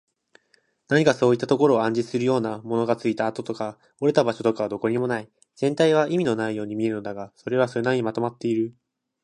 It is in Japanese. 何かそういったことを暗示するような、ものがついていた跡とか、折れた個所とかはどこにもない。全体は意味のないように見えるのだが、それはそれなりにまとまっている。